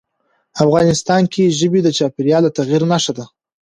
افغانستان کې ژبې د چاپېریال د تغیر نښه ده.